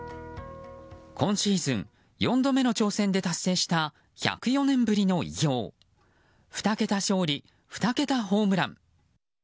今シーズン４度目の挑戦で達成した１０４年ぶりの偉業２桁勝利２桁ホームラン。